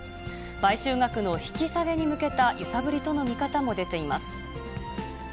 買収額の引き下げに向けた揺さぶりとの見方も出ています。